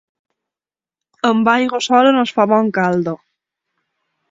Amb aigua sola no es fa bon caldo.